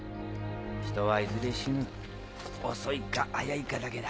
人はいずれ死ぬ遅いか早いかだけだ。